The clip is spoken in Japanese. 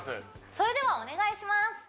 それではお願いします